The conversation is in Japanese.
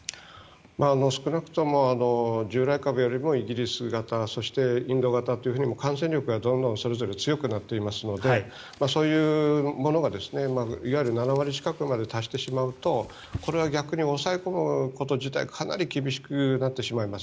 少なくとも従来株よりもイギリス型そして、インド型というふうに感染力がどんどん強くなっていますのでそういうものがいわゆる７割近くまで達してしまうとこれは逆に抑え込むこと自体かなり厳しくなってしまいます。